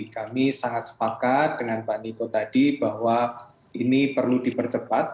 kami sangat sepakat dengan pak niko tadi bahwa ini perlu dipercepat